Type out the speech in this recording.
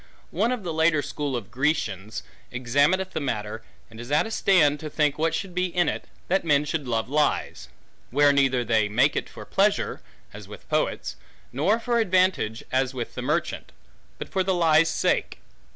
One of the later school of the Grecians, examineth the matter, and is at a stand, to think what should be in it, that men should love lies; where neither they make for pleasure, as with poets, nor for advantage, as with the merchant; but for the lie's sake.